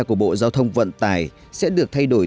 của bộ giao thông vận tải sẽ được thay đổi